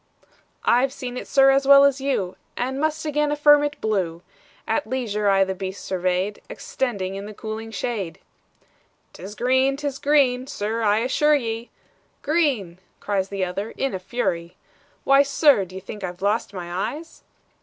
"I've seen it, sir, as well as you, And must again affirm it blue; At leisure I the beast surveyed, Extending in the cooling shade." "'T is green, 't is green, sir I assure ye!" "Green!" cries the other in a fury "Why, sir! d'ye think I've lost my eyes?"